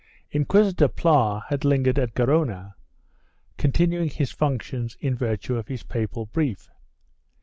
2 Inquisitor Pla had lingered at Gerona, continuing his functions in virtue of his papal brief.